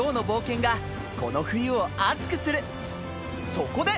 そこで！